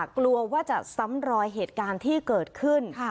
กลัวว่าจะซ้ำรอยเหตุการณ์ที่เกิดขึ้น